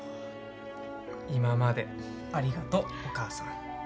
今までありがとうお母さん